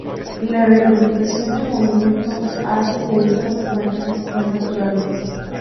La representación del movimiento hace de estas imágenes más naturales.